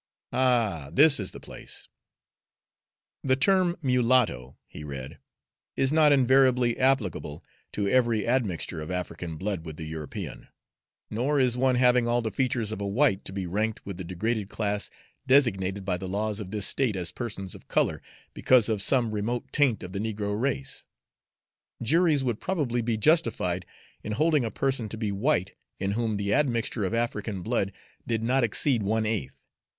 Ah, this is the place: "'The term mulatto,'" he read, "'is not invariably applicable to every admixture of African blood with the European, nor is one having all the features of a white to be ranked with the degraded class designated by the laws of this State as persons of color, because of some remote taint of the negro race. Juries would probably be justified in holding a person to be white in whom the admixture of African blood did not exceed one eighth.